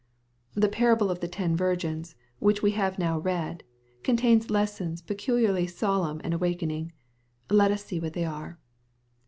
The parable of the ten virgins, which we have now read, contains lessons peculiarly solemn and awakening. Let us see what they are.